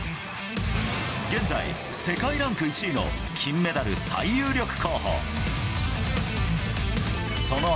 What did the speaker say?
現在、世界ランク１位の金メダル最有力候補。